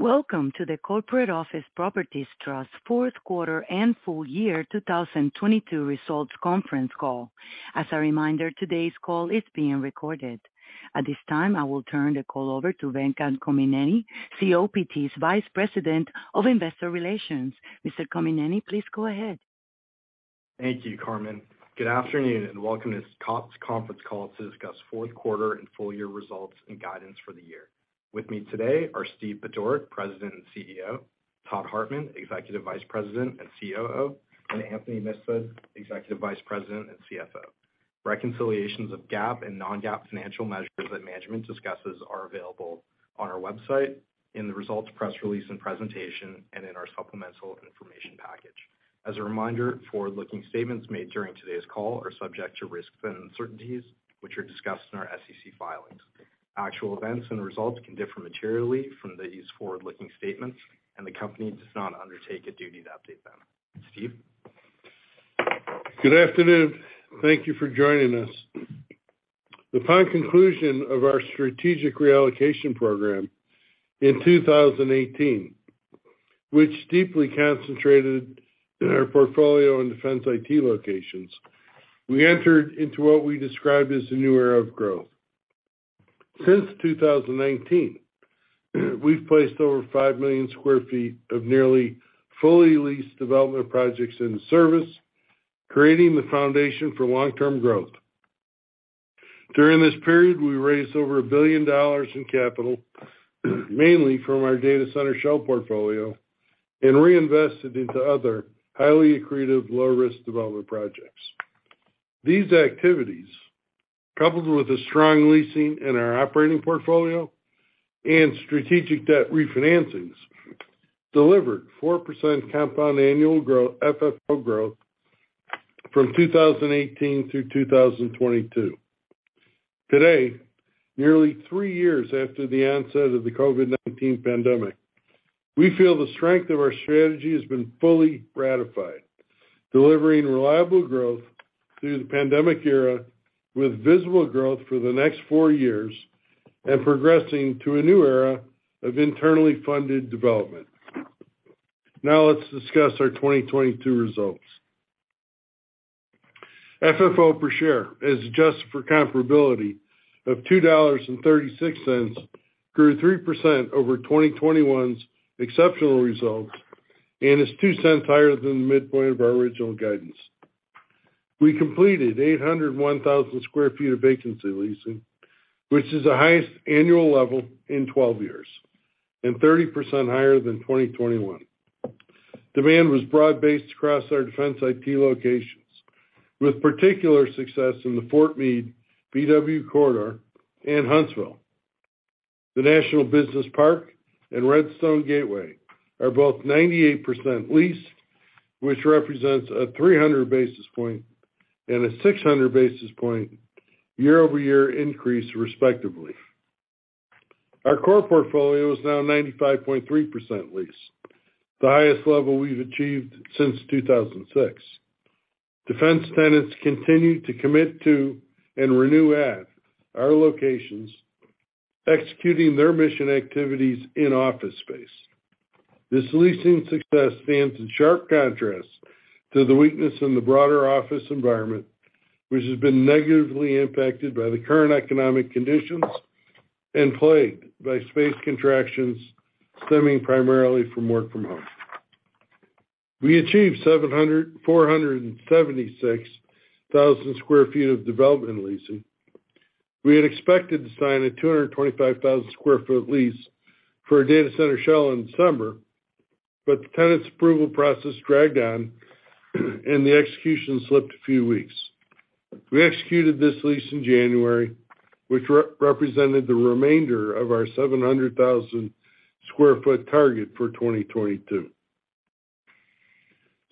Welcome to the Corporate Office Properties Trust fourth quarter and full year 2022 results conference call. As a reminder, today's call is being recorded. At this time, I will turn the call over to Venkat Kommineni, COPT's Vice President of Investor Relations. Mr. Kommineni, please go ahead. Thank you, Carmen. Good afternoon, and welcome to this COPT's conference call to discuss fourth quarter and full year results and guidance for the year. With me today are Steve Budorick, President and CEO, Todd Hartman, Executive Vice President and COO, and Anthony Mifsud, Executive Vice President and CFO. Reconciliations of GAAP and non-GAAP financial measures that management discusses are available on our website in the results press release and presentation and in our supplemental information package. As a reminder, forward-looking statements made during today's call are subject to risks and uncertainties, which are discussed in our SEC filings. Actual events and results can differ materially from these forward-looking statements, and the company does not undertake a duty to update them. Steve. Good afternoon. Thank you for joining us. Upon conclusion of our strategic reallocation program in 2018, which deeply concentrated in our portfolio and Defense/IT locations, we entered into what we described as a new era of growth. Since 2019, we've placed over 5 million sq ft of nearly fully leased development projects in service, creating the foundation for long-term growth. During this period, we raised over $1 billion in capital, mainly from our data center shell portfolio, and reinvested into other highly accretive, low-risk development projects. These activities, coupled with a strong leasing in our operating portfolio and strategic debt refinancings, delivered 4% compound annual FFO growth from 2018 through 2022. Today, nearly 3 years after the onset of the COVID-19 pandemic, we feel the strength of our strategy has been fully ratified, delivering reliable growth through the pandemic era with visible growth for the next four years and progressing to a new era of internally funded development. Now let's discuss our 2022 results. FFO per share is adjusted for comparability of $2.36, grew 3% over 2021's exceptional results, and is $0.02 higher than the midpoint of our original guidance. We completed 801,000 sq ft of vacancy leasing, which is the highest annual level in 12 years and 30% higher than 2021. Demand was broad-based across our defense IT locations, with particular success in the Fort Meade BW corridor and Huntsville. The National Business Park and Redstone Gateway are both 98% leased, which represents a 300 basis point and a 600 basis point year-over-year increase, respectively. Our core portfolio is now 95.3% leased, the highest level we've achieved since 2006. Defense tenants continue to commit to and renew at our locations, executing their mission activities in office space. This leasing success stands in sharp contrast to the weakness in the broader office environment, which has been negatively impacted by the current economic conditions and plagued by space contractions stemming primarily from work from home. We achieved 476,000 sq ft of development leasing. We had expected to sign a 225,000 sq ft lease for a data center shell in December, but the tenant's approval process dragged on and the execution slipped a few weeks. We executed this lease in January, which re-represented the remainder of our 700,000 sq ft target for 2022.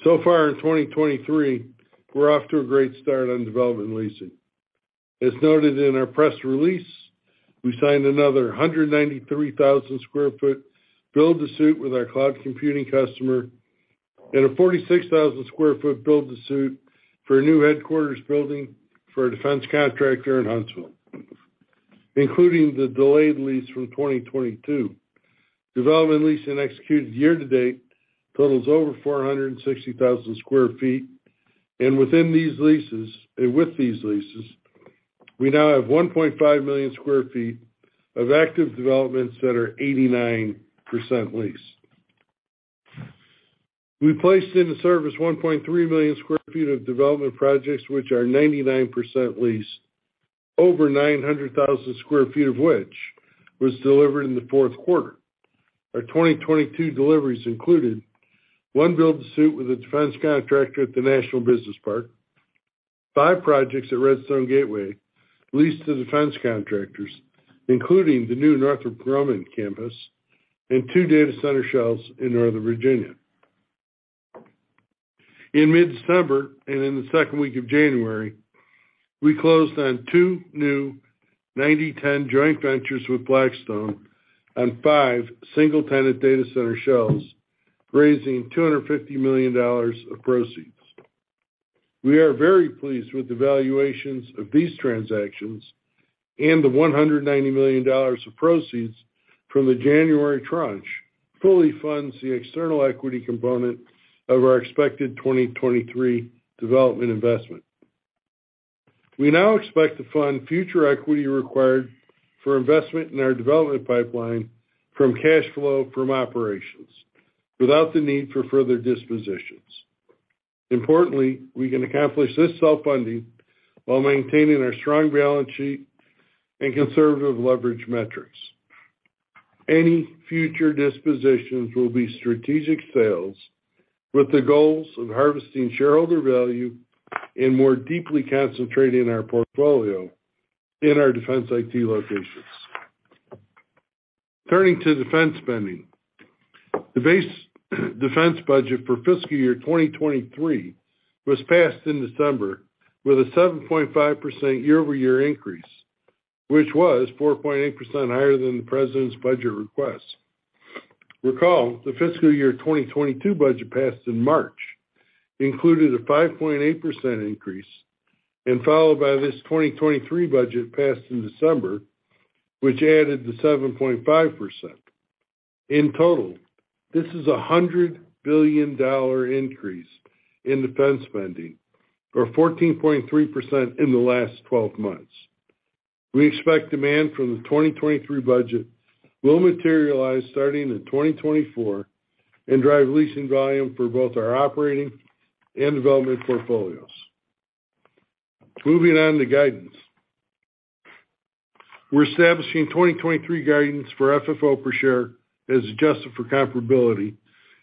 So far in 2023, we're off to a great start on development leasing. As noted in our press release, we signed another 193,000 sq ft build-to-suit with our cloud computing customer and a 46,000 sq ft build-to-suit for a new headquarters building for a defense contractor in Huntsville. Including the delayed lease from 2022, development lease and executed year to date totals over 460,000 sq ft. With these leases, we now have 1.5 million sq ft of active developments that are 89% leased. We placed into service 1.3 million sq ft of development projects, which are 99% leased, over 900,000 sq ft of which was delivered in the fourth quarter. Our 2022 deliveries included one build-to-suit with a defense contractor at The National Business Park, five projects at Redstone Gateway leased to defense contractors, including the new Northrop Grumman campus and two data center shells in Northern Virginia. In mid-December and in the second week of January, we closed on two new ninety/ten joint ventures with Blackstone on five single-tenant data center shells, raising $250 million of proceeds. We are very pleased with the valuations of these transactions and the $190 million of proceeds from the January tranche fully funds the external equity component of our expected 2023 development investment. We now expect to fund future equity required for investment in our development pipeline from cash flow from operations without the need for further dispositions. Importantly, we can accomplish this self-funding while maintaining our strong balance sheet and conservative leverage metrics. Any future dispositions will be strategic sales with the goals of harvesting shareholder value and more deeply concentrating our portfolio in our defense IT locations. Turning to defense spending. The base defense budget for fiscal year 2023 was passed in December with a 7.5% year-over-year increase, which was 4.8% higher than the president's budget request. Recall, the fiscal year 2022 budget passed in March included a 5.8% increase, and followed by this 2023 budget passed in December, which added the 7.5%. In total, this is a $100 billion increase in defense spending, or 14.3% in the last 12 months. We expect demand from the 2023 budget will materialize starting in 2024 and drive leasing volume for both our operating and development portfolios. Moving on to guidance. We're establishing 2023 guidance for FFO per share as adjusted for comparability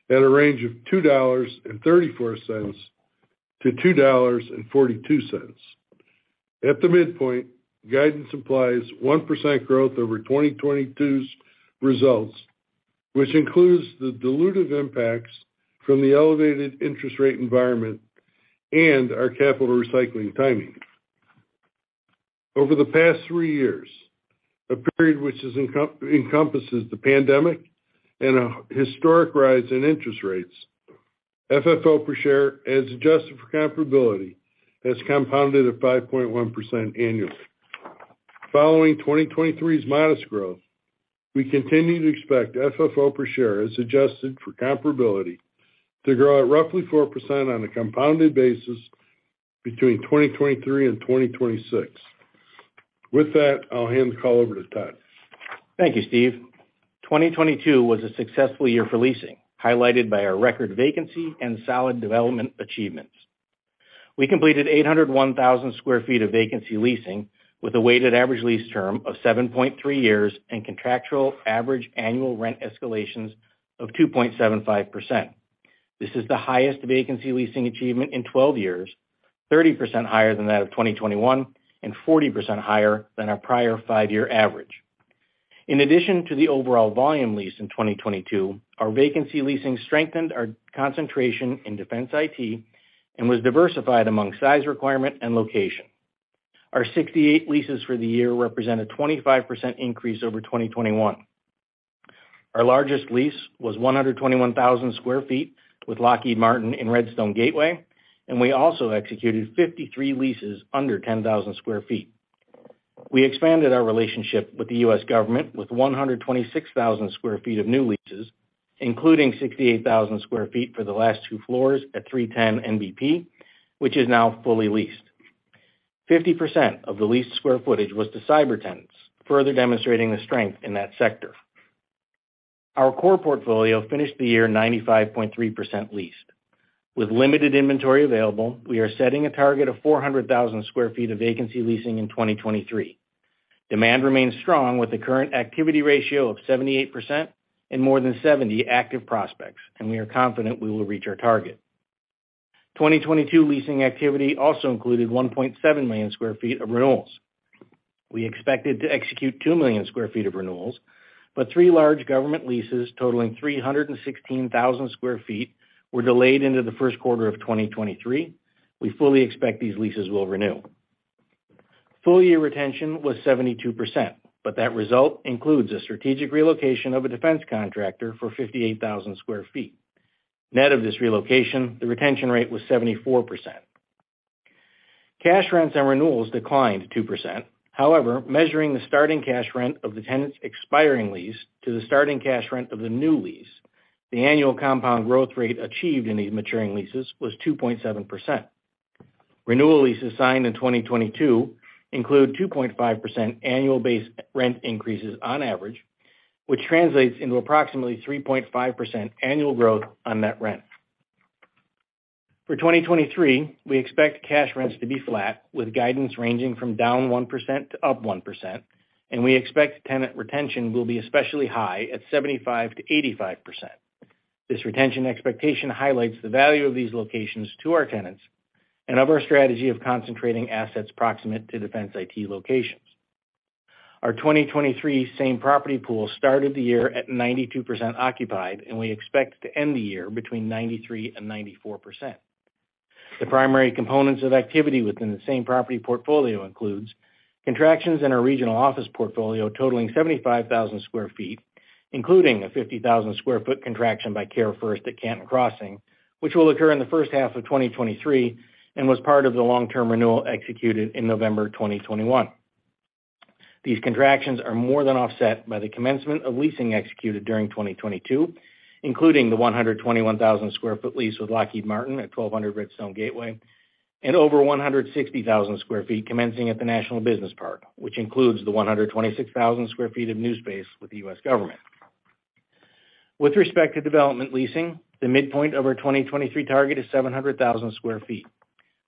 at a range of $2.34-$2.42. At the midpoint, guidance implies 1% growth over 2022's results, which includes the dilutive impacts from the elevated interest rate environment and our capital recycling timing. Over the past 3 years, a period which encompasses the pandemic and a historic rise in interest rates, FFO per share as adjusted for comparability has compounded at 5.1% annually. Following 2023's modest growth, we continue to expect FFO per share as adjusted for comparability to grow at roughly 4% on a compounded basis between 2023 and 2026. With that, I'll hand the call over to Todd. Thank you, Steve. 2022 was a successful year for leasing, highlighted by our record vacancy and solid development achievements. We completed 801,000 sq ft of vacancy leasing with a weighted average lease term of 7.3 years and contractual average annual rent escalations of 2.75%. This is the highest vacancy leasing achievement in 12 years, 30% higher than that of 2021 and 40% higher than our prior five-year average. In addition to the overall volume lease in 2022, our vacancy leasing strengthened our concentration in Defense/IT and was diversified among size requirement and location. Our 68 leases for the year represent a 25% increase over 2021. Our largest lease was 121,000 sq ft with Lockheed Martin in Redstone Gateway, and we also executed 53 leases under 10,000 sq ft. We expanded our relationship with the U.S. government with 126,000 sq ft of new leases, including 68,000 sq ft for the last two floors at 310 NBP, which is now fully leased. 50% of the leased square footage was to cyber tenants, further demonstrating the strength in that sector. Our core portfolio finished the year 95.3% leased. With limited inventory available, we are setting a target of 400,000 sq ft of vacancy leasing in 2023. Demand remains strong with the current activity ratio of 78% and more than 70 active prospects. We are confident we will reach our target. 2022 leasing activity also included 1.7 million sq ft of renewals. We expected to execute 2 million sq ft of renewals, three large government leases totaling 316,000 sq ft were delayed into the first quarter of 2023. We fully expect these leases will renew. Full year retention was 72%, but that result includes a strategic relocation of a defense contractor for 58,000 sq ft. Net of this relocation, the retention rate was 74%. Cash rents and renewals declined 2%. Measuring the starting cash rent of the tenant's expiring lease to the starting cash rent of the new lease, the annual compound growth rate achieved in these maturing leases was 2.7%. Renewal leases signed in 2022 include 2.5% annual base rent increases on average, which translates into approximately 3.5% annual growth on net rent. For 2023, we expect cash rents to be flat, with guidance ranging from down 1% to up 1%, and we expect tenant retention will be especially high at 75%-85%. This retention expectation highlights the value of these locations to our tenants and of our strategy of concentrating assets proximate to Defense IT locations. Our 2023 same property pool started the year at 92% occupied, and we expect to end the year between 93% and 94%. The primary components of activity within the same property portfolio includes contractions in our regional office portfolio totaling 75,000 sq ft, including a 50,000 sq ft contraction by CareFirst at Canton Crossing, which will occur in the first half of 2023 and was part of the long-term renewal executed in November 2021. These contractions are more than offset by the commencement of leasing executed during 2022, including the 121,000 sq ft lease with Lockheed Martin at 1,200 Redstone Gateway and over 160,000 sq ft commencing at the National Business Park, which includes the 126,000 sq ft of new space with the U..S government. With respect to development leasing, the midpoint of our 2023 target is 700,000 sq ft.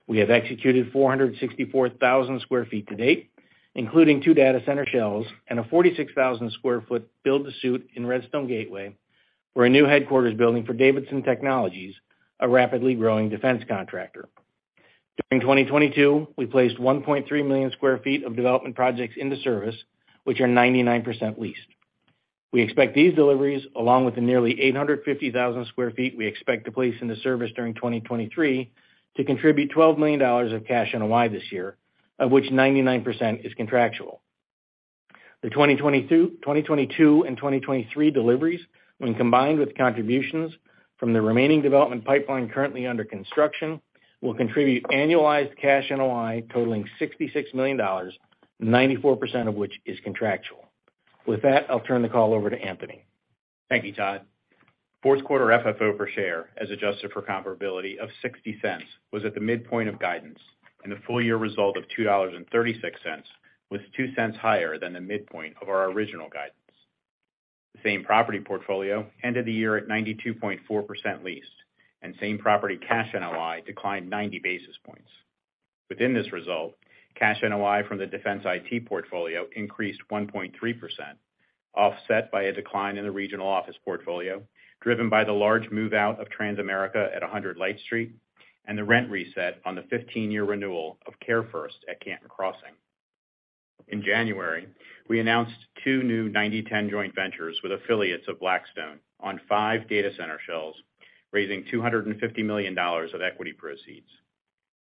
We have executed 464,000 sq ft to date, including two data center shells and a 46,000 sq ft build-to-suit in Redstone Gateway for a new headquarters building for Davidson Technologies, a rapidly growing defense contractor. During 2022, we placed 1.3 million sq ft of development projects into service, which are 99% leased. We expect these deliveries, along with the nearly 850,000 sq ft we expect to place into service during 2023, to contribute $12 million of cash NOI this year, of which 99% is contractual. The 2022 and 2023 deliveries, when combined with contributions from the remaining development pipeline currently under construction, will contribute annualized cash NOI totaling $66 million, 94% of which is contractual. With that, I'll turn the call over to Anthony. Thank you, Todd. Fourth quarter FFO per share as adjusted for comparability of $0.60 was at the midpoint of guidance, and the full year result of $2.36 was $0.02 higher than the midpoint of our original guidance. The same property portfolio ended the year at 92.4% leased, and same property cash NOI declined 90 basis points. Within this result, cash NOI from the Defense/IT portfolio increased 1.3%, offset by a decline in the regional office portfolio, driven by the large move out of Transamerica at 100 Light Street and the rent reset on the 15-year renewal of CareFirst at Canton Crossing. In January, we announced two new 90/10 joint ventures with affiliates of Blackstone on 5 data center shells, raising $250 million of equity proceeds.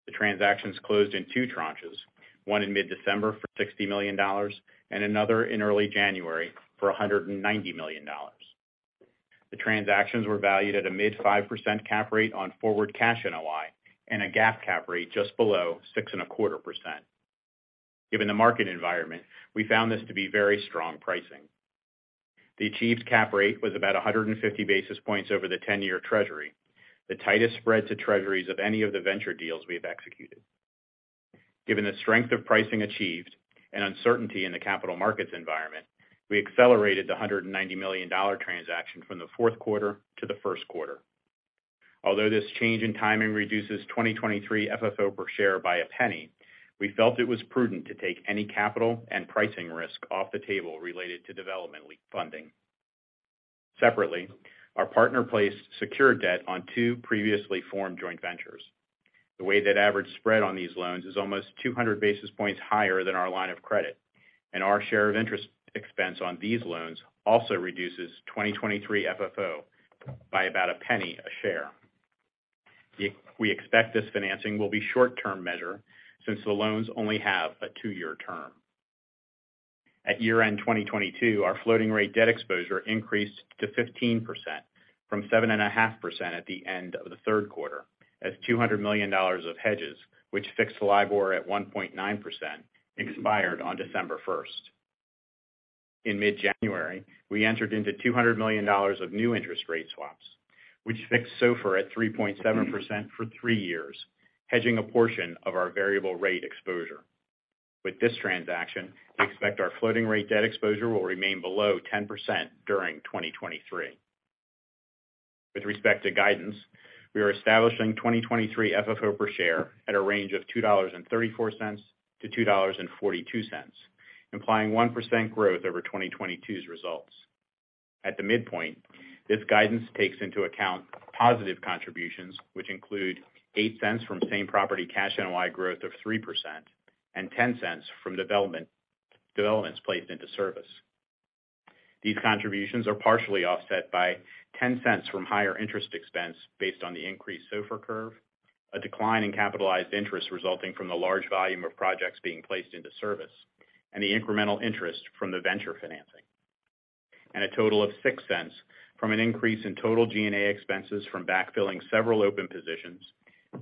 The transactions closed in two tranches, one in mid-December for $60 million and another in early January for $190 million. The transactions were valued at a mid 5% cap rate on forward cash NOI and a GAAP cap rate just below 6.25%. Given the market environment, we found this to be very strong pricing. The achieved cap rate was about 150 basis points over the ten-year treasury, the tightest spread to treasuries of any of the venture deals we have executed. Given the strength of pricing achieved and uncertainty in the capital markets environment, we accelerated the $190 million transaction from the fourth quarter to the first quarter. Although this change in timing reduces 2023 FFO per share by $0.01, we felt it was prudent to take any capital and pricing risk off the table related to development funding. Separately, our partner placed secured debt on two previously formed joint ventures. The weighted average spread on these loans is almost 200 basis points higher than our line of credit, and our share of interest expense on these loans also reduces 2023 FFO by about $0.01 a share. We expect this financing will be short-term measure since the loans only have a two-year term. At year-end 2022, our floating rate debt exposure increased to 15% from 7.5% at the end of the third quarter, as $200 million of hedges, which fixed the LIBOR at 1.9%, expired on December 1st. In mid-January, we entered into $200 million of new interest rate swaps, which fixed SOFR at 3.7% for three years, hedging a portion of our variable rate exposure. With this transaction, we expect our floating rate debt exposure will remain below 10% during 2023. With respect to guidance, we are establishing 2023 FFO per share at a range of $2.34-$2.42, implying 1% growth over 2022's results. At the midpoint, this guidance takes into account positive contributions, which include $0.08 from same property cash NOI growth of 3% and $0.10 from developments placed into service. These contributions are partially offset by $0.10 from higher interest expense based on the increased SOFR curve, a decline in capitalized interest resulting from the large volume of projects being placed into service, and the incremental interest from the venture financing. A total of $0.06 from an increase in total G&A expenses from backfilling several open positions,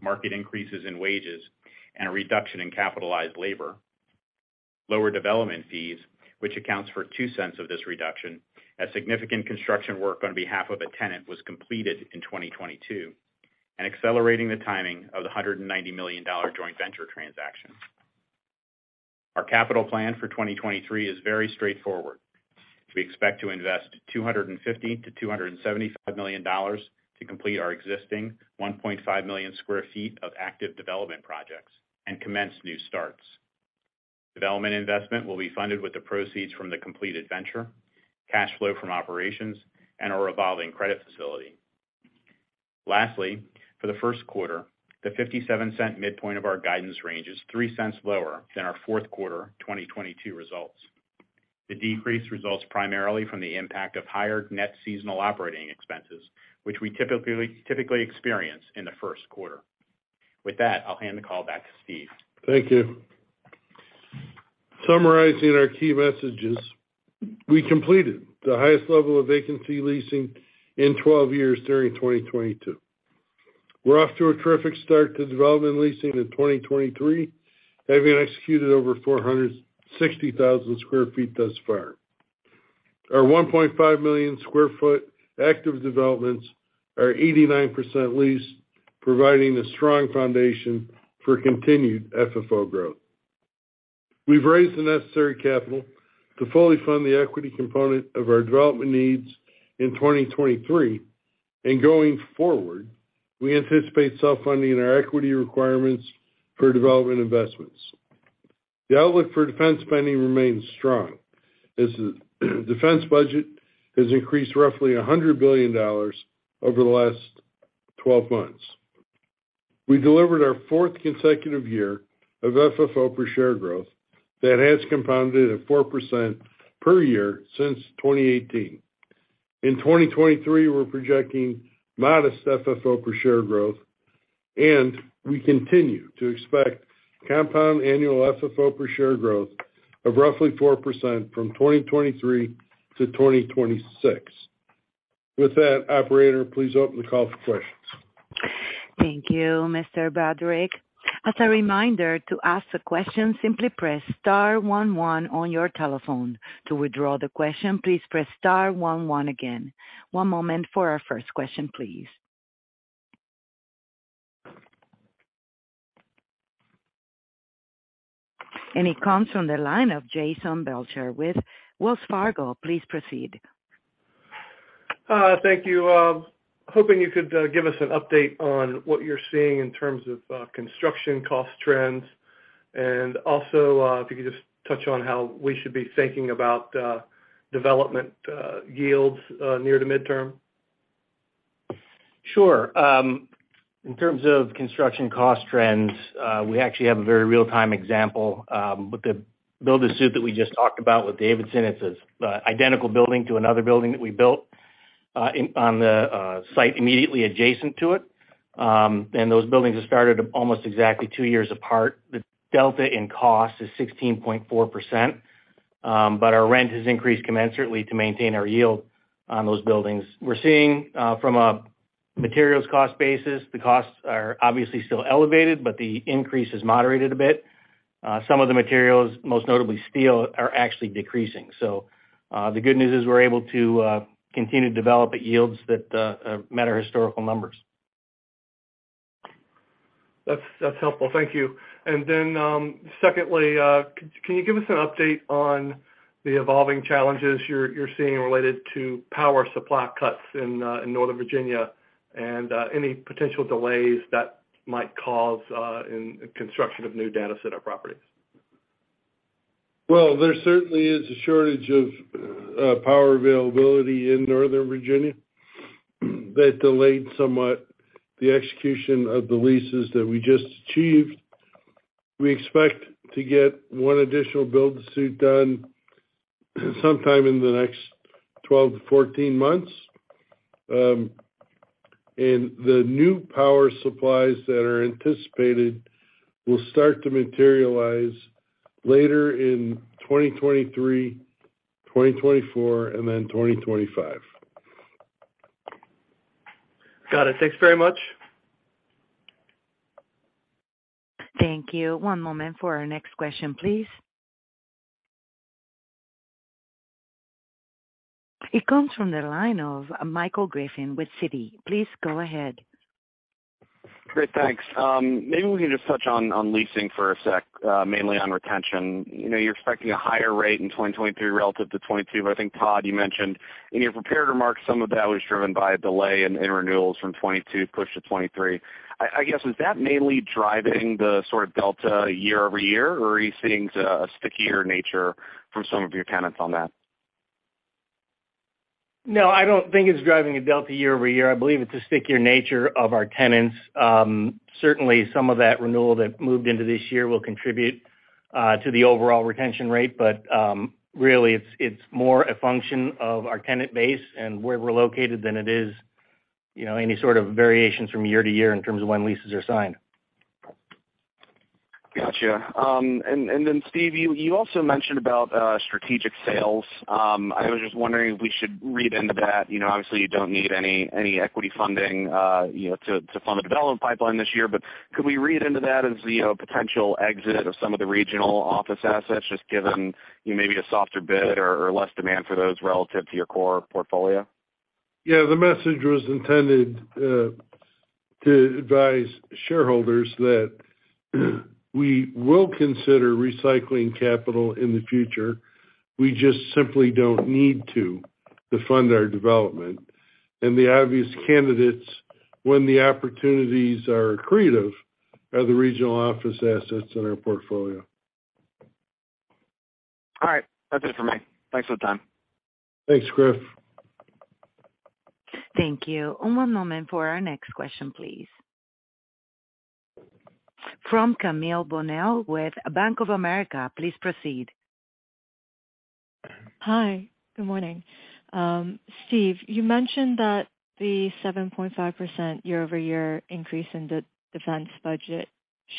market increases in wages, and a reduction in capitalized labor, lower development fees, which accounts for $0.02 of this reduction as significant construction work on behalf of a tenant was completed in 2022, and accelerating the timing of the $190 million joint venture transaction. Our capital plan for 2023 is very straightforward. We expect to invest $250 million-$275 million to complete our existing 1.5 million sq ft of active development projects and commence new starts. Development investment will be funded with the proceeds from the completed venture, cash flow from operations, and our revolving credit facility. Lastly, for the first quarter, the $0.57 midpoint of our guidance range is $0.03 lower than our fourth quarter 2022 results. The decrease results primarily from the impact of higher net seasonal operating expenses, which we typically experience in the first quarter. With that, I'll hand the call back to Steve. Thank you. Summarizing our key messages, we completed the highest level of vacancy leasing in 12 years during 2022. We're off to a terrific start to development leasing in 2023, having executed over 460,000 sq ft thus far. Our 1.5 million sq ft active developments are 89% leased, providing a strong foundation for continued FFO growth. We've raised the necessary capital to fully fund the equity component of our development needs in 2023. Going forward, we anticipate self-funding our equity requirements for development investments. The outlook for Defense spending remains strong as the Defense budget has increased roughly $100 billion over the last 12 months. We delivered our four consecutive year of FFO per share growth that has compounded at 4% per year since 2018. In 2023, we're projecting modest FFO per share growth, and we continue to expect compound annual FFO per share growth of roughly 4% from 2023-2026. With that, operator, please open the call for questions. Thank you, Mr. Budorick. As a reminder, to ask a question, simply press star one one on your telephone. To withdraw the question, please press star one one again. One moment for our first question, please. It comes from the line of Jason Belcher with Wells Fargo. Please proceed. Thank you. Hoping you could give us an update on what you're seeing in terms of construction cost trends. Also, if you could just touch on how we should be thinking about development yields near to midterm. Sure. In terms of construction cost trends, we actually have a very real-time example with the build-to-suit that we just talked about with Davidson. It's a identical building to another building that we built in, on the site immediately adjacent to it. Those buildings have started almost exactly two years apart. The delta in cost is 16.4%, our rent has increased commensurately to maintain our yield on those buildings. We're seeing, from a materials cost basis, the costs are obviously still elevated, the increase has moderated a bit. Some of the materials, most notably steel, are actually decreasing. The good news is we're able to continue to develop at yields that met our historical numbers. That's helpful. Thank you. Secondly, can you give us an update on the evolving challenges you're seeing related to power supply cuts in Northern Virginia and any potential delays that might cause in the construction of new data center properties? Well, there certainly is a shortage of power availability in Northern Virginia that delayed somewhat the execution of the leases that we just achieved. We expect to get 1 additional build-to-suit done sometime in the next 12-14 months. The new power supplies that are anticipated will start to materialize later in 2023, 2024, and then 2025. Got it. Thanks very much. Thank you. One moment for our next question, please. It comes from the line of Michael Griffin with Citi. Please go ahead. Great. Thanks. Maybe we can just touch on leasing for a sec, mainly on retention. You know, you're expecting a higher rate in 2023 relative to 22, but I think, Todd, you mentioned in your prepared remarks some of that was driven by a delay in renewals from 22 pushed to 23. I guess, is that mainly driving the sort of delta year-over-year, or are you seeing a stickier nature from some of your tenants on that? No, I don't think it's driving a delta year-over-year. I believe it's a stickier nature of our tenants. Certainly, some of that renewal that moved into this year will contribute to the overall retention rate. Really it's more a function of our tenant base and where we're located than it is, you know, any sort of variations from year to year in terms of when leases are signed. Gotcha. Then Steve, you also mentioned about strategic sales. I was just wondering if we should read into that. You know, obviously you don't need any equity funding, you know, to fund the development pipeline this year, but could we read into that as the, you know, potential exit of some of the regional office assets, just given, you know, maybe a softer bid or less demand for those relative to your core portfolio? Yeah, the message was intended to advise shareholders that we will consider recycling capital in the future. We just simply don't need to fund our development. The obvious candidates, when the opportunities are accretive, are the regional office assets in our portfolio. All right, that's it for me. Thanks for the time. Thanks, Griff. Thank you. One moment for our next question, please. From Camille Bonnel with Bank of America. Please proceed. Hi, good morning. Steve, you mentioned that the 7.5% year-over-year increase in the defense budget.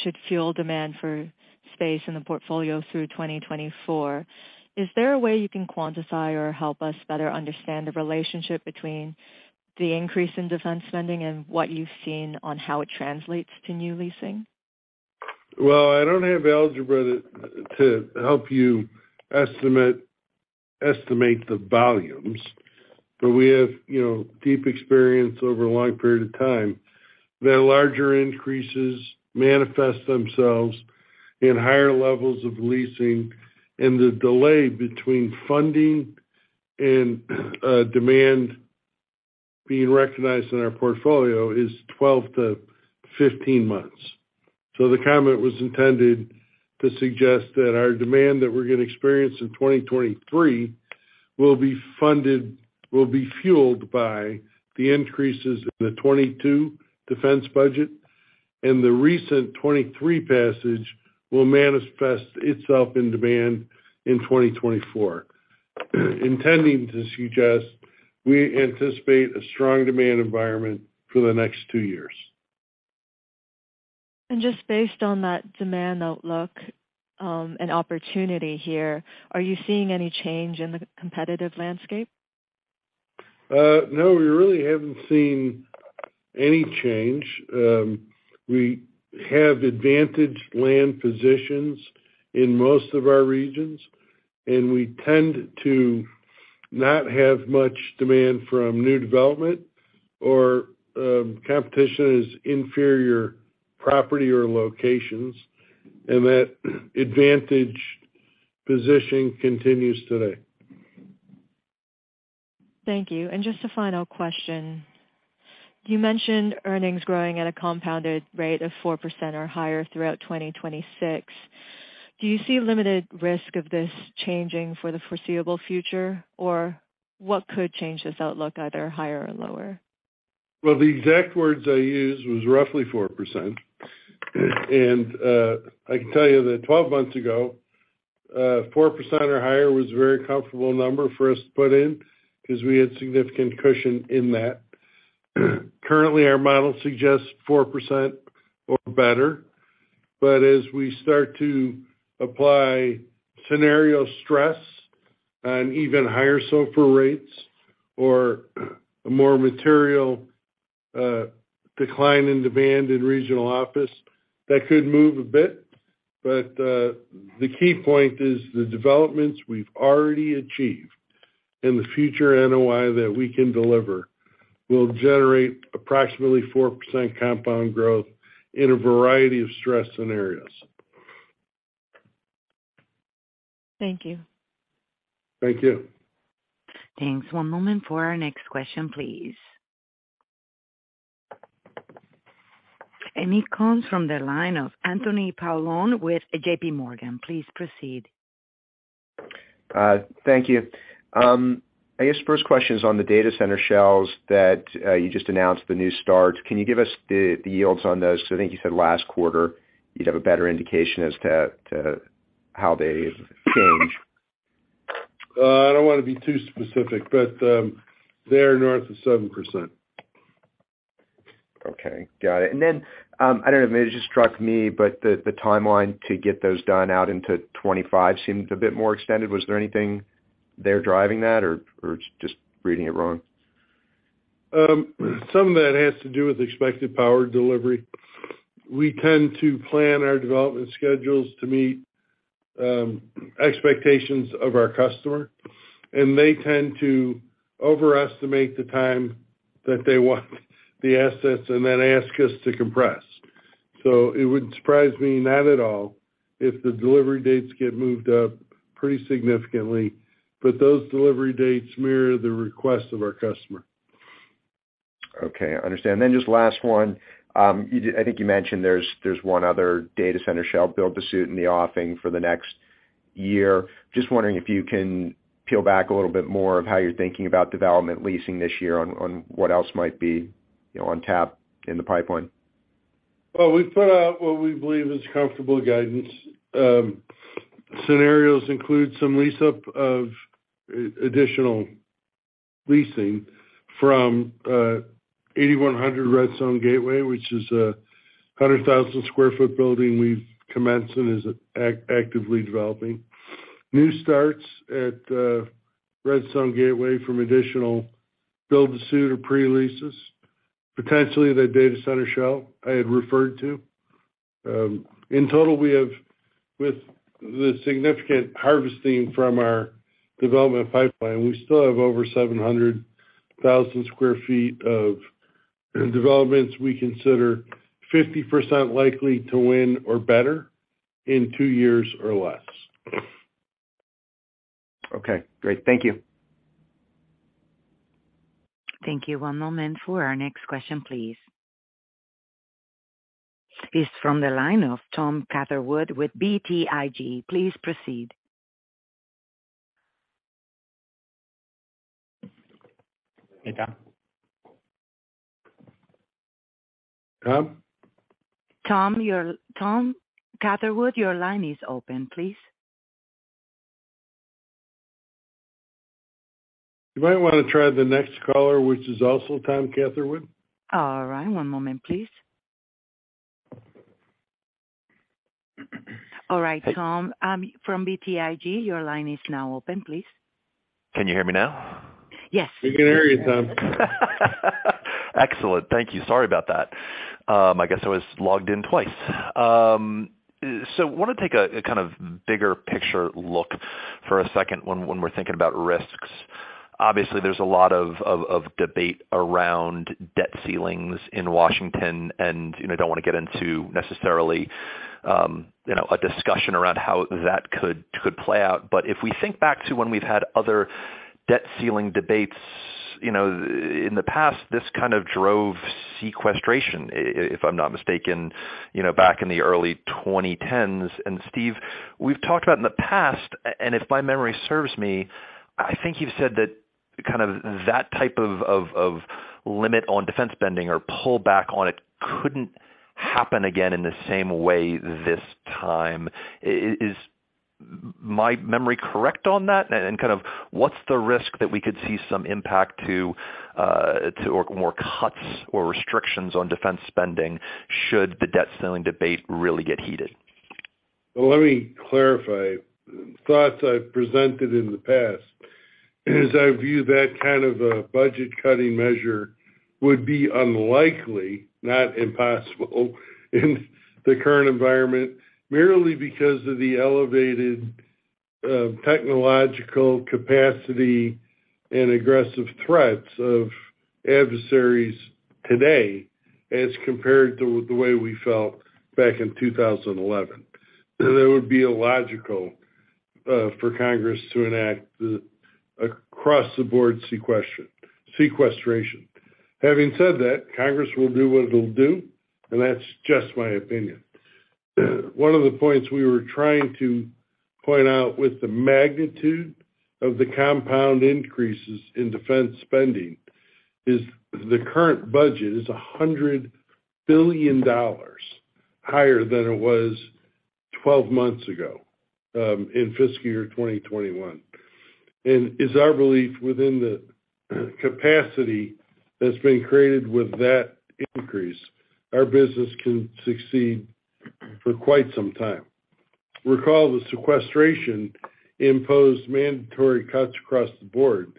Should fuel demand for space in the portfolio through 2024. Is there a way you can quantify or help us better understand the relationship between the increase in defense spending and what you've seen on how it translates to new leasing? Well, I don't have algebra to help you estimate the volumes, but we have, you know, deep experience over a long period of time, that larger increases manifest themselves in higher levels of leasing. The delay between funding and demand being recognized in our portfolio is 12-15 months. The comment was intended to suggest that our demand that we're gonna experience in 2023 will be fueled by the increases in the 2022 defense budget, and the recent 2023 passage will manifest itself in demand in 2024. Intending to suggest we anticipate a strong demand environment for the next two years. Just based on that demand outlook, and opportunity here, are you seeing any change in the competitive landscape? No, we really haven't seen any change. We have advantaged land positions in most of our regions, and we tend to not have much demand from new development or competition as inferior property or locations, and that advantaged position continues today. Thank you. Just a final question. You mentioned earnings growing at a compounded rate of 4% or higher throughout 2026. Do you see limited risk of this changing for the foreseeable future? What could change this outlook, either higher or lower? Well, the exact words I used was roughly 4%. I can tell you that 12 months ago, 4% or higher was a very comfortable number for us to put in because we had significant cushion in that. Currently, our model suggests 4% or better. As we start to apply scenario stress on even higher SOFR rates or a more material decline in demand in regional office, that could move a bit. The key point is the developments we've already achieved and the future NOI that we can deliver will generate approximately 4% compound growth in a variety of stress scenarios. Thank you. Thank you. Thanks. One moment for our next question, please. It comes from the line of Anthony Paolone with JPMorgan. Please proceed. Thank you. I guess first question is on the data center shells that you just announced the new start. Can you give us the yields on those? I think you said last quarter you'd have a better indication as to how they've changed. I don't wanna be too specific, they're north of 7%. Okay, got it. I don't know, maybe it just struck me, but the timeline to get those done out into 2025 seems a bit more extended. Was there anything there driving that or just reading it wrong? some of that has to do with expected power delivery. We tend to plan our development schedules to meet expectations of our customer, and they tend to overestimate the time that they want the assets and then ask us to compress. It would surprise me, not at all, if the delivery dates get moved up pretty significantly, but those delivery dates mirror the request of our customer. Okay, understand. Just last one. I think you mentioned there's one other data center shell build-to-suit in the offing for the next year. Just wondering if you can peel back a little bit more of how you're thinking about development leasing this year on what else might be, you know, on tap in the pipeline. Well, we've put out what we believe is comfortable guidance. Scenarios include some lease-up of additional leasing from 8,100 Redstone Gateway, which is a 100,000 sq ft building we've commenced and is actively developing. New starts at Redstone Gateway from additional build-to-suit or pre-leases, potentially that data center shell I had referred to. In total, we have with the significant harvesting from our development pipeline, we still have over 700,000 sq ft of developments we consider 50% likely to win or better in two years or less. Okay, great. Thank you. Thank you. One moment for our next question, please. It's from the line of Tom Catherwood with BTIG. Please proceed. Hey, Tom. Tom? Tom Catherwood, your line is open, please. You might wanna try the next caller, which is also Tom Catherwood. All right, one moment please. All right, Tom, from BTIG, your line is now open, please. Can you hear me now? Yes. We can hear you, Tom. Excellent. Thank you. Sorry about that. I guess I was logged in twice. Wanna take a kind of bigger picture look for a second when we're thinking about risks. Obviously, there's a lot of debate around debt ceilings in Washington and, you know, don't wanna get into necessarily, you know, a discussion around how that could play out. If we think back to when we've had other debt ceiling debates, you know, in the past, this kind of drove sequestration, if I'm not mistaken, you know, back in the early twenty-tens. Steve, we've talked about in the past, and if my memory serves me, I think you've said that kind of that type of limit on defense spending or pull back on it couldn't happen again in the same way this time. Is my memory correct on that? Kind of what's the risk that we could see some impact to, or more cuts or restrictions on Defense spending should the debt ceiling debate really get heated? Let me clarify. Thoughts I've presented in the past is I view that kind of a budget cutting measure would be unlikely, not impossible, in the current environment, merely because of the elevated technological capacity and aggressive threats of adversaries today as compared to the way we felt back in 2011. It would be illogical for Congress to enact the across the board sequestration. Having said that, Congress will do what it'll do, and that's just my opinion. One of the points we were trying to point out with the magnitude of the compound increases in defense spending is the current budget is $100 billion higher than it was 12 months ago in fiscal year 2021. It's our belief within the capacity that's been created with that increase, our business can succeed for quite some time. Recall the sequestration imposed mandatory cuts across the board,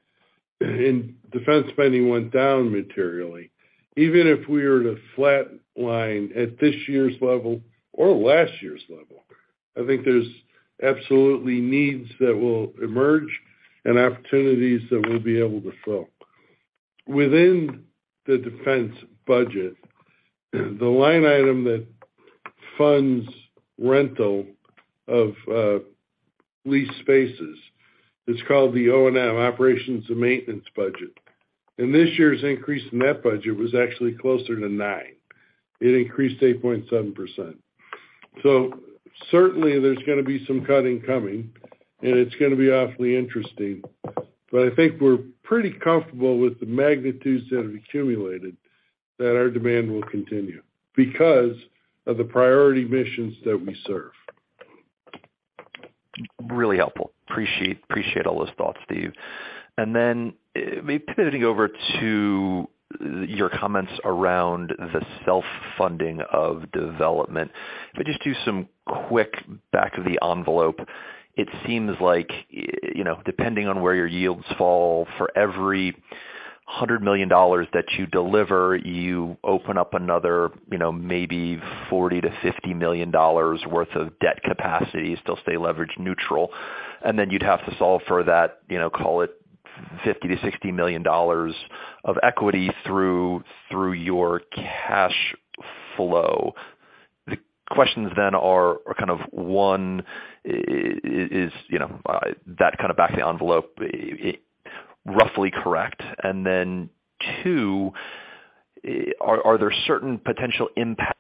and defense spending went down materially. Even if we were to flat line at this year's level or last year's level, I think there's absolutely needs that will emerge and opportunities that we'll be able to fill. Within the defense budget, the line item that funds rental of leased spaces is called the O&M, operations and maintenance budget. This year's increase in that budget was actually closer to 9. It increased 8.7%. Certainly there's gonna be some cutting coming, and it's gonna be awfully interesting. I think we're pretty comfortable with the magnitudes that have accumulated, that our demand will continue because of the priority missions that we serve. Really helpful. Appreciate all those thoughts, Steve. Maybe pivoting over to your comments around the self-funding of development. If I just do some quick back of the envelope, it seems like, you know, depending on where your yields fall, for every $100 million that you deliver, you open up another, you know, maybe $40 million-$50 million worth of debt capacity to still stay leverage neutral. You'd have to solve for that, you know, call it $50 million-$60 million of equity through your cash flow. The questions then are kind of, one, is, you know, that kind of back of the envelope roughly correct? Two, are there certain potential impacts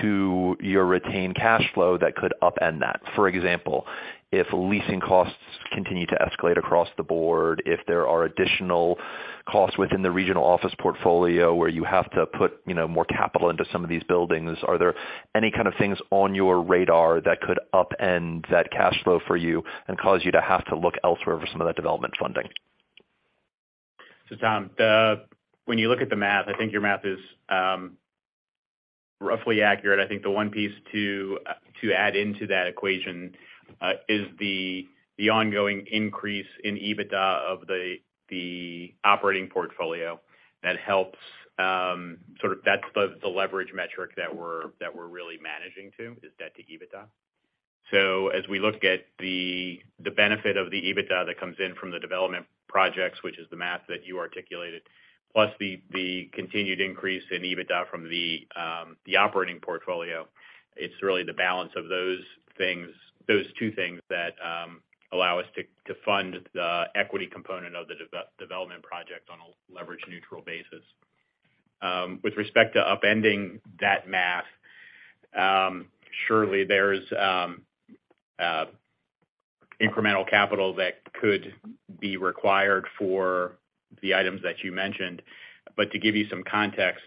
to your retained cash flow that could upend that? For example, if leasing costs continue to escalate across the board, if there are additional costs within the regional office portfolio where you have to put, you know, more capital into some of these buildings, are there any kind of things on your radar that could upend that cash flow for you and cause you to have to look elsewhere for some of that development funding? Tom, when you look at the math, I think your math is roughly accurate. I think the one piece to add into that equation is the ongoing increase in EBITDA of the operating portfolio that helps. Sort of that's the leverage metric that we're really managing to, is debt to EBITDA. As we look at the benefit of the EBITDA that comes in from the development projects, which is the math that you articulated, plus the continued increase in EBITDA from the operating portfolio, it's really the balance of those things, those two things that allow us to fund the equity component of the development project on a leverage neutral basis. With respect to upending that math, surely there's incremental capital that could be required for the items that you mentioned. To give you some context,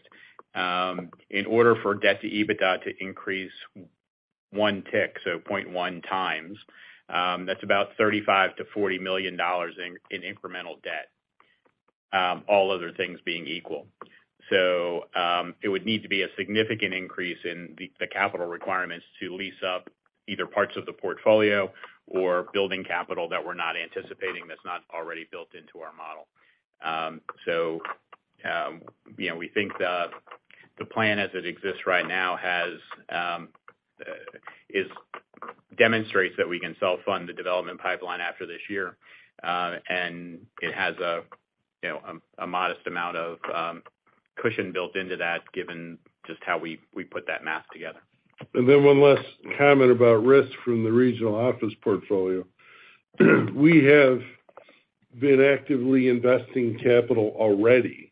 in order for debt to EBITDA to increase 1 tick, so 0.1x, that's about $35 million-$40 million in incremental debt, all other things being equal. It would need to be a significant increase in the capital requirements to lease up either parts of the portfolio or building capital that we're not anticipating that's not already built into our model. You know, we think the plan as it exists right now has demonstrates that we can self-fund the development pipeline after this year. It has a, you know, a modest amount of cushion built into that given just how we put that math together. One last comment about risk from the regional office portfolio. We have been actively investing capital already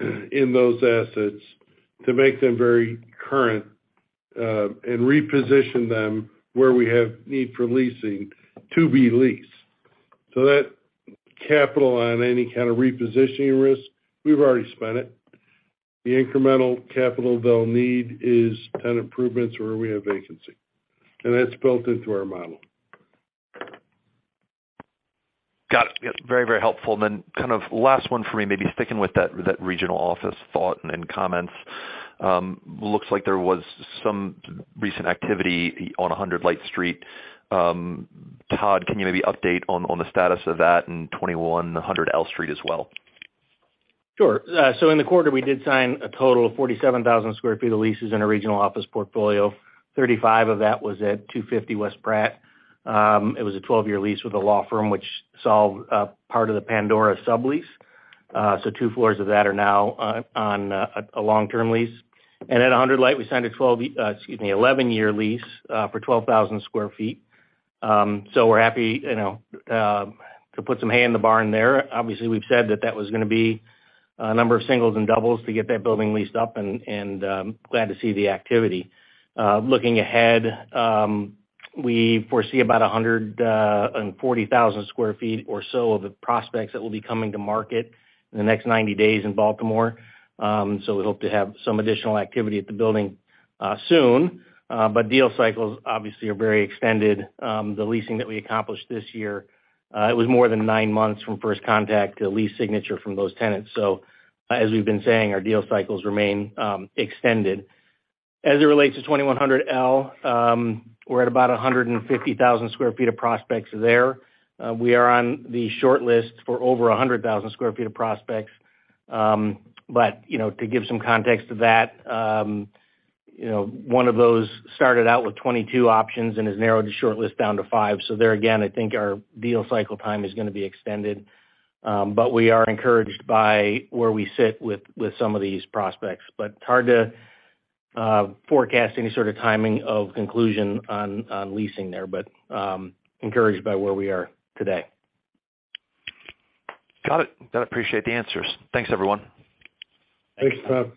in those assets to make them very current and reposition them where we have need for leasing to be leased. That capital on any kind of repositioning risk, we've already spent it. The incremental capital they'll need is tenant improvements where we have vacancy, and that's built into our model. Got it. Very, very helpful. Kind of last one for me, maybe sticking with that regional office thought and comments. Looks like there was some recent activity on 100 Light Street. Todd, can you maybe update on the status of that and 2100 L Street as well? Sure. So in the quarter, we did sign a total of 47,000 sq ft of leases in a regional office portfolio. 35 of that was at 250 West Pratt. It was a 12-year lease with a law firm which solved part of the Pandora sublease. So two floors of that are now on a long-term lease. At 100 Light, we signed an 11-year lease for 12,000 sq ft. So we're happy, you know, to put some hay in the barn there. Obviously, we've said that that was gonna be a number of singles and doubles to get that building leased up, and glad to see the activity. Looking ahead, we foresee about 140,000 sq ft or so of the prospects that will be coming to market in the next 90 days in Baltimore. We hope to have some additional activity at the building soon. Deal cycles obviously are very extended. The leasing that we accomplished this year, it was more than 9 months from first contact to lease signature from those tenants. As we've been saying, our deal cycles remain extended. As it relates to 2100 L, we're at about 150,000 sq ft of prospects there. We are on the shortlist for over 100,000 sq ft of prospects. You know, to give some context to that, you know, one of those started out with 22 options and has narrowed the shortlist down to five. There again, I think our deal cycle time is gonna be extended. We are encouraged by where we sit with some of these prospects. It's hard to forecast any sort of timing of conclusion on leasing there, but encouraged by where we are today. Got it. Appreciate the answers. Thanks, everyone. Thanks, Todd.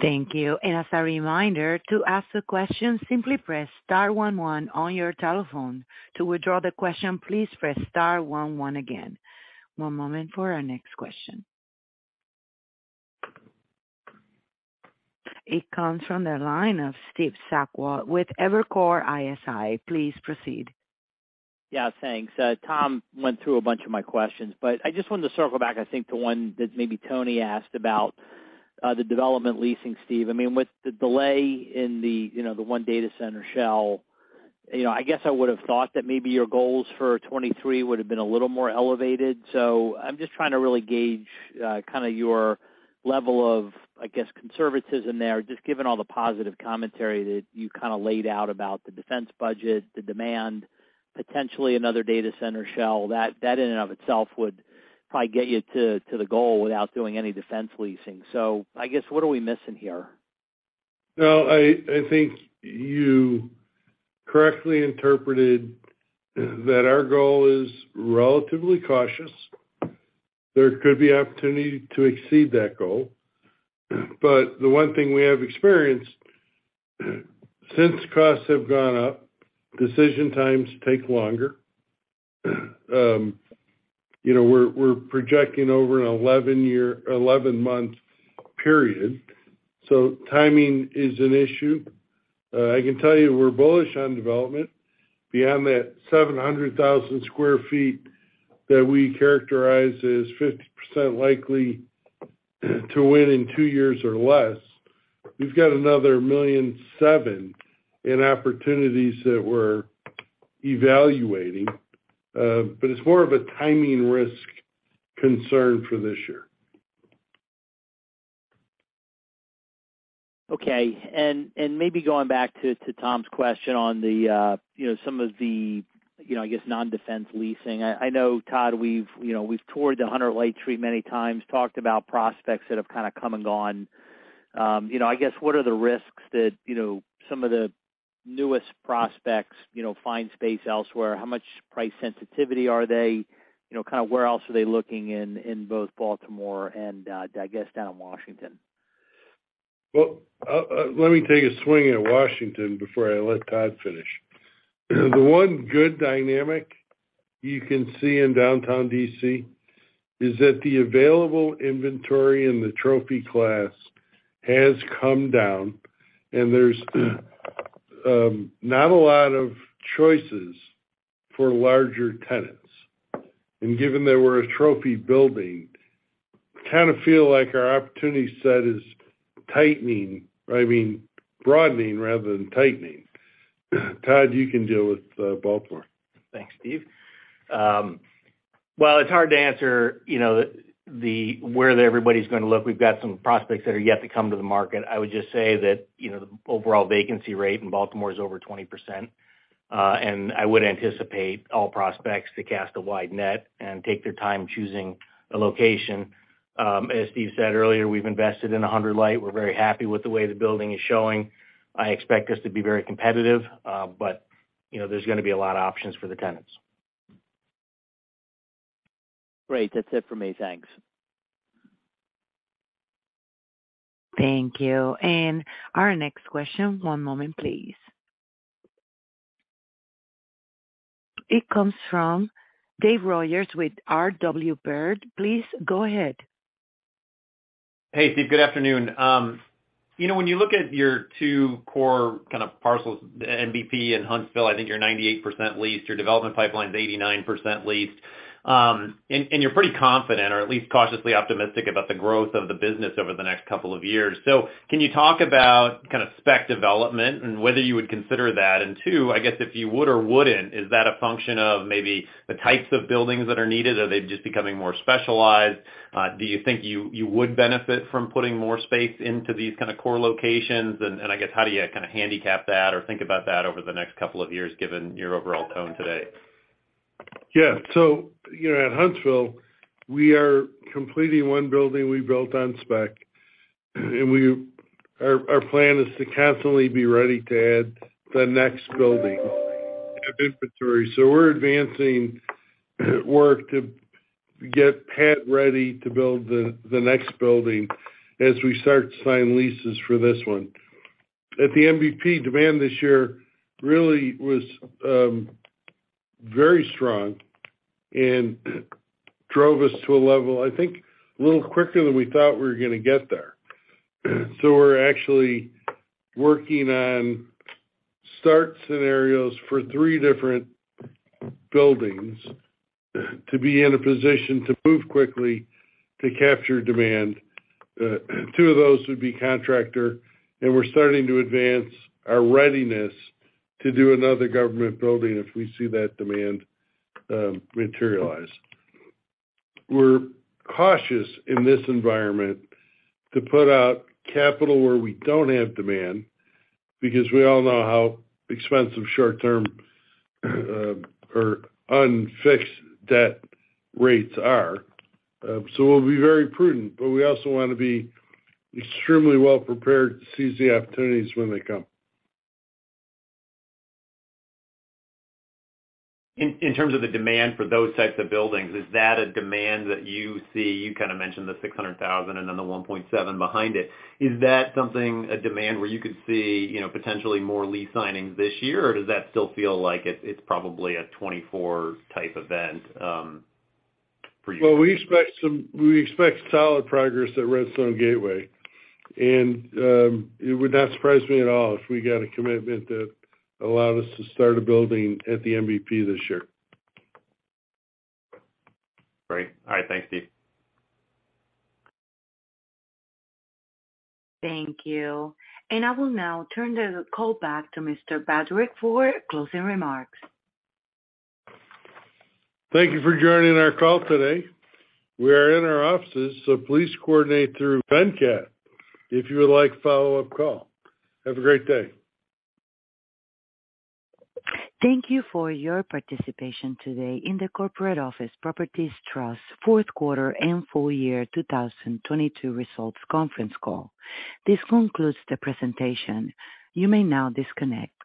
Thank you. As a reminder, to ask a question, simply press star one one on your telephone. To withdraw the question, please press star one one again. One moment for our next question. It comes from the line of Steve Sakwa with Evercore ISI. Please proceed. Yeah, thanks. Tom went through a bunch of my questions, but I just wanted to circle back, I think, to one that maybe Tony asked about, the development leasing, Steve. I mean, with the delay in the, you know, the one data center shell, you know, I guess I would have thought that maybe your goals for 2023 would have been a little more elevated. I'm just trying to really gauge, kinda your level of, I guess, conservatism there, just given all the positive commentary that you kinda laid out about the defense budget, the demand, potentially another data center shell. That in and of itself would probably get you to the goal without doing any defense leasing. I guess, what are we missing here? No, I think you correctly interpreted that our goal is relatively cautious. There could be opportunity to exceed that goal. The one thing we have experienced, since costs have gone up, decision times take longer. you know, we're projecting over an 11 month period, Timing is an issue. I can tell you we're bullish on development. Beyond that 700,000 sq ft that we characterize as 50% likely to win in two years or less, we've got another 1.7 million in opportunities that we're evaluating, but it's more of a timing risk concern for this year. Okay. Maybe going back to Tom's question on the, you know, some of the, I guess, non-defense leasing. I know, Todd, we've toured the One Hundred Light Street many times, talked about prospects that have kinda come and gone. You know, I guess what are the risks that, you know, some of the newest prospects find space elsewhere? How much price sensitivity are they? Kinda where else are they looking in both Baltimore and, I guess down in Washington? Well, let me take a swing at Washington before I let Todd finish. The one good dynamic you can see in downtown D.C. is that the available inventory in the trophy class has come down, and there's not a lot of choices for larger tenants. Given that we're a trophy building, kind of feel like our opportunity set is tightening. I mean, broadening rather than tightening. Todd, you can deal with Baltimore. Thanks, Steve. Well, it's hard to answer, you know, where everybody's gonna look. We've got some prospects that are yet to come to the market. I would just say that, you know, the overall vacancy rate in Baltimore is over 20%. I would anticipate all prospects to cast a wide net and take their time choosing a location. As Steve said earlier, we've invested in 100 Light. We're very happy with the way the building is showing. I expect us to be very competitive, but, you know, there's gonna be a lot of options for the tenants. Great. That's it for me. Thanks. Thank you. Our next question, one moment please. It comes from Dave Rodgers with R.W. Baird. Please go ahead. Hey, Steve. Good afternoon. you know, when you look at your two core kind of parcels, NBP and Huntsville, I think you're 98% leased, your development pipeline's 89% leased. You're pretty confident or at least cautiously optimistic about the growth of the business over the next couple of years. Can you talk about kind of spec development and whether you would consider that? 2, I guess if you would or wouldn't, is that a function of maybe the types of buildings that are needed? Are they just becoming more specialized? Do you think you would benefit from putting more space into these kind of core locations? I guess how do you kind of handicap that or think about that over the next couple of years, given your overall tone today? You know, at Huntsville, we are completing one building we built on spec, and our plan is to constantly be ready to add the next building of inventory. We're advancing work to get pat ready to build the next building as we start to sign leases for this one. At the NBP, demand this year really was very strong and drove us to a level, I think, a little quicker than we thought we were gonna get there. We're actually working on start scenarios for three different buildings to be in a position to move quickly to capture demand. Two of those would be contractor, and we're starting to advance our readiness to do another Government building if we see that demand materialize. We're cautious in this environment to put out capital where we don't have demand because we all know how expensive short-term or unfixed debt rates are. We'll be very prudent, but we also wanna be extremely well prepared to seize the opportunities when they come. In terms of the demand for those types of buildings, is that a demand that you see? You kinda mentioned the 600,000 and then the 1.7 behind it. Is that something, a demand where you could see, you know, potentially more lease signings this year, or does that still feel like it's probably a 2024 type event for you? Well, we expect solid progress at Redstone Gateway. It would not surprise me at all if we got a commitment that allowed us to start a building at the NBP this year. Great. All right. Thanks, Steve. Thank you. I will now turn the call back to Mr. Budorick for closing remarks. Thank you for joining our call today. We are in our offices, so please coordinate through Venkat if you would like a follow-up call. Have a great day. Thank you for your participation today in the Corporate Office Properties Trust fourth quarter and full year 2022 results conference call. This concludes the presentation. You may now disconnect.